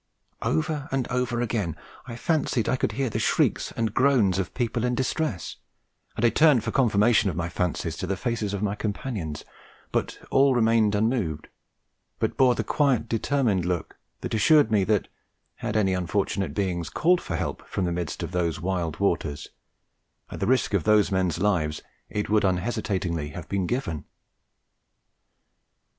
Over and over again I fancied I could hear the shrieks and groans of people in distress, and I turned for confirmation of my fancies to the faces of my companions; but all remained unmoved, but bore the quiet determined look that assured me that, had any unfortunate beings called for help from the midst of those wild waters, at the risk of those men's lives it would unhesitatingly have been given.